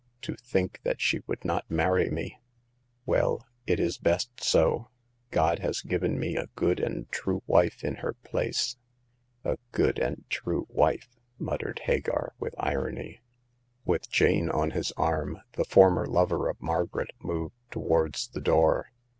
to think that she would not marry me ! Well, it is best so ; God has given me a good and true wife in her place." A good and true wife I " muttered Hagar, with irony. With Jane on his arm, the former lover of Margaret moved towards the door.